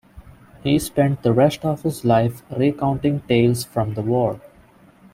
He spent the rest of his life recounting tales from the war.